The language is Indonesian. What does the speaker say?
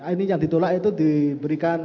ini yang ditolak itu diberikan